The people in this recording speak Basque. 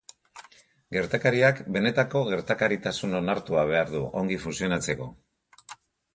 Gertakariak benetako gertakaritasun onartua behar du, ongi funtzionatzeko.